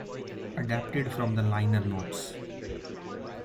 Adapted from the liner notes.